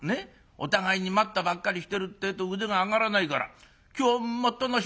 お互いに『待った』ばっかりしてるってえと腕が上がらないから今日は『待ったなし』。